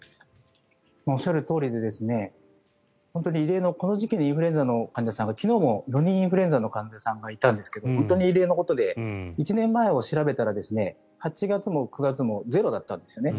おっしゃるとおりでこの時期にインフルエンザの患者さんが昨日も４人、インフルエンザの患者さんがいたんですけど本当に異例なことで１年前を調べたら８月も９月もゼロだったんですね。